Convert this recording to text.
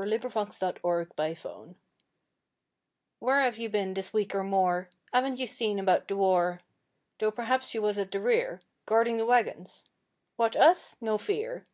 Right in the Front of the Army 'Where 'ave you been this week or more, 'Aven't seen you about the war? Thought perhaps you was at the rear Guarding the waggons.' 'What, us? No fear!